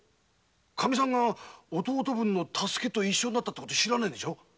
カミさんが弟分の太助と一緒になってるの知らないでしょ。